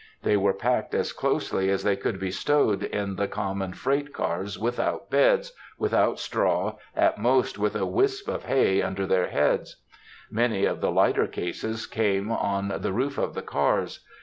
They were packed as closely as they could be stowed in the common freight cars, without beds, without straw, at most with a wisp of hay under their heads. Many of the lighter cases came on the roof of the cars.